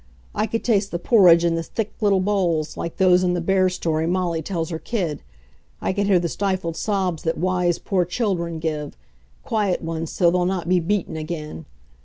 I could taste the porridge in the thick little bowls, like those in the bear story Molly tells her kid. I could hear the stifled sobs that wise, poor children give quiet ones, so they'll not be beaten again.